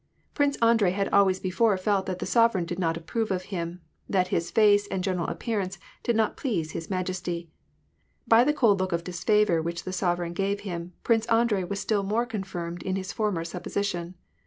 Prince Andrei had always before felt that the sovereign did not approve of him, that his face and general appearance did not please his majesty. By the cold look of disfavor which the sovereign gave him, Prince Andrei was still more confirmed in his former supposition.